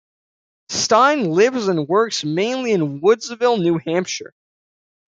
Steyn lives and works mainly in Woodsville, New Hampshire.